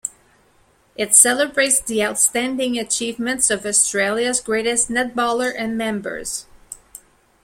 It celebrates the outstanding achievements of Australia's greatest netballers and members.